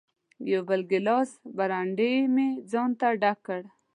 یو بل ګیلاس برانډي مې ځانته ډک کړ.